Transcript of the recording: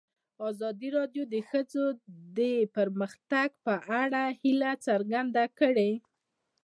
ازادي راډیو د د ښځو حقونه د پرمختګ په اړه هیله څرګنده کړې.